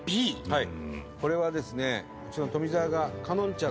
はい！